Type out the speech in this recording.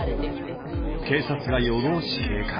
警察が夜通し警戒。